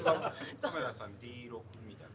亀田さんＤ６みたいな。